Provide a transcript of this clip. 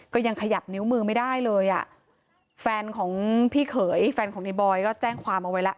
ขยับนิ้วมือไม่ได้เลยอ่ะแฟนของพี่เขยแฟนของในบอยก็แจ้งความเอาไว้แล้ว